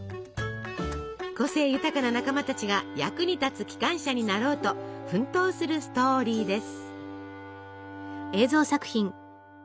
個性豊かな仲間たちが役に立つ機関車になろうと奮闘するストーリーです。